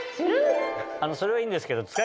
あのそれはいいんですけど。